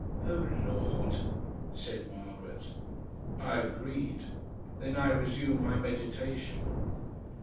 "Oh, Lord!" said Margaret. I agreed. Then I resumed my meditation.